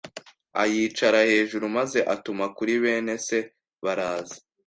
ayicara hejuru maze atuma kuri bene se baraza